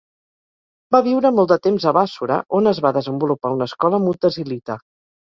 Va viure molt de temps a Bàssora on es va desenvolupar una escola mutazilita.